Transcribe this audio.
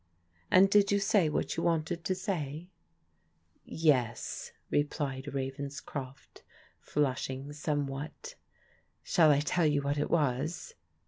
" And did you say what you wanted to say ?" "Yes," replied Ravenscroft, flushing somewhat. " Shall I tell you what it was